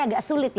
agak sulit ya